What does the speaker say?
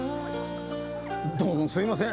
どうもすいません。